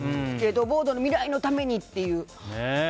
スケートボードの未来のためにって。